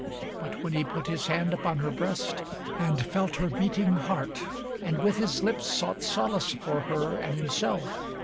But when he put his hand upon her breast And felt her beating heart, and with his lips Sought solace for her and himself.